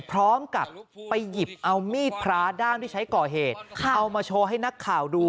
พร้อมกับไปหยิบเอามีดพระด้ามที่ใช้ก่อเหตุเอามาโชว์ให้นักข่าวดู